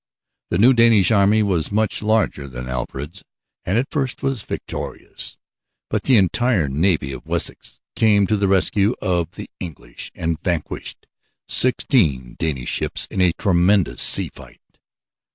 The new Danish army was much larger than Alfred's and at first was victorious, but the entire navy of Wessex came to the rescue of the English and vanquished sixteen Danish ships in a tremendous sea fight.